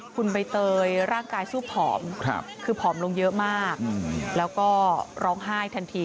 คุณใบเตยร่างกายสู้ผอมคือผอมลงเยอะมากแล้วก็ร้องไห้ทันที